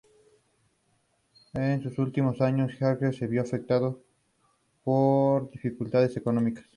En sus últimos años, Gebhard se vio afectado por dificultades económicas.